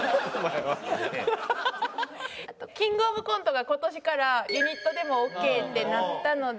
キングオブコントが今年からユニットでもオーケーってなったので。